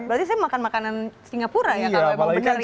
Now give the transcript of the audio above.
berarti saya makan makanan singapura ya kalau pedal ya